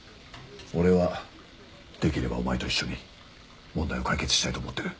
俺はできればお前と一緒に問題を解決したいと思ってる。